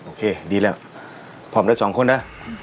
โอเคดีแล้วพร้อมได้๒คนนะ